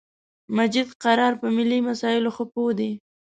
مجید قرار په ملی مسایلو خه پوهه دی